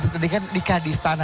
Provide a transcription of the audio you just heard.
tadi kan nikah di istana